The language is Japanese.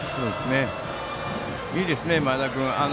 いいですね、前田君。